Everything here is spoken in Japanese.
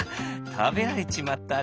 たべられちまったぜ」。